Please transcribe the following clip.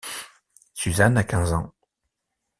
Suzanne a quinze ans.